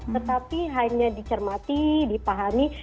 tetapi hanya dicermati dipahami